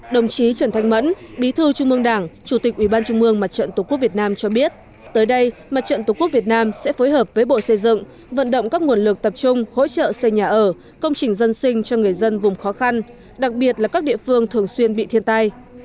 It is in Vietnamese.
đồng chí trần thanh mẫn bí thư trung mương đảng chủ tịch ủy ban trung mương mặt trận tổ quốc việt nam cho biết tới đây mặt trận tổ quốc việt nam sẽ phối hợp với bộ xây dựng vận động các nguồn lực tập trung hỗ trợ xây nhà ở công trình dân sinh cho người dân vùng khó khăn đặc biệt là các địa phương thường xuyên bị thiên tai